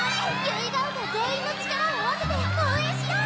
結ヶ丘全員の力を合わせて応援しよう！